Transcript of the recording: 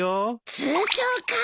通帳か。